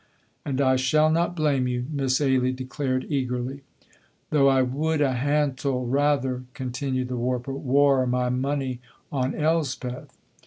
"And I shall not blame you," Miss Ailie declared eagerly. "Though I would a hantle rather," continued the warper, "waur my money on Elspeth."